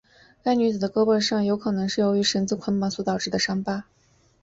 该女子的胳膊上有可能是由于绳子捆绑导致的伤疤。